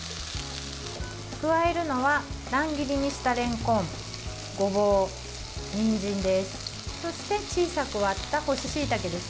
加えるのは乱切りにしたれんこん、ごぼう、にんじんです。